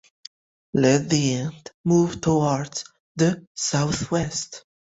Let the ant move towards the Southwest.